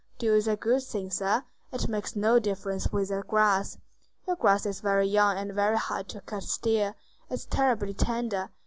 Dew is a good thing, sir. It makes no difference with that grass. Your grass is young and very hard to cut still. It's terribly tender.